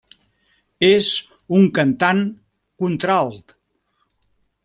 És un cantant contralt.